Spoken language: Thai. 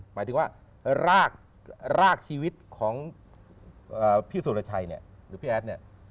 หมายถึงว่ารากชีวิตของพี่สุรไชยหรือพี่แอด